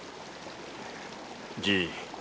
じい。